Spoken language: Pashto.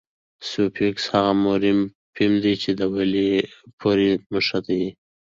سوفیکس هغه مورفیم دئ، چي د ولي پوري مښتي يي.